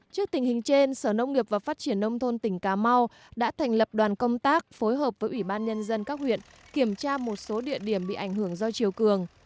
trước tình hình trên sở nông nghiệp và phát triển nông thôn tỉnh cà mau đã thành lập đoàn công tác phối hợp với ủy ban nhân dân các huyện kiểm tra một số địa điểm bị ảnh hưởng do chiều cường